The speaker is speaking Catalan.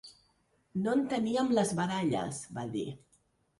No enteníem les baralles, va dir.